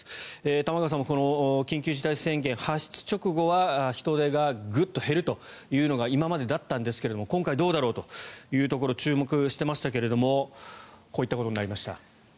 玉川さん緊急事態宣言発出直後は人出がグッと減るというのが今までだったんですが今回、どうだろうというところ注目してましたけどもこういったことになりました。